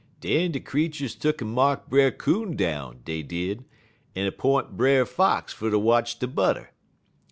"Den de creeturs tuck'n mark Brer Coon down, dey did, en 'p'int Brer Fox fer ter watch de butter.